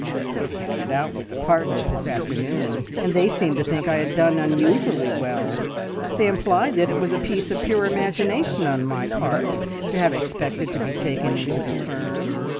I had it out with the partners this afternoon, and they seemed to think I had done unusually well. They implied that it was a piece of pure imagination on my part to have expected to be taken into the firm."